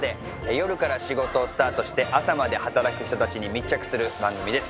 夜から仕事をスタートして朝まで働く人たちに密着する番組です。